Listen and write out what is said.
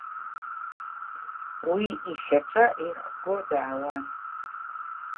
Уи ишьаҿа еихго даауан.